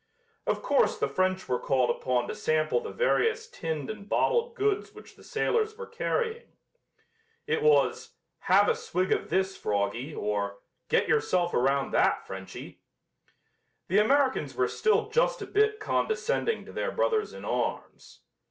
Of course the French were called upon to sample the various tinned and bottled goods which the sailors were carrying. It was "have a swig of this, Froggy" or "get yourself around that, Frenchy." The Americans were still just a bit condescending to their brothers in arms.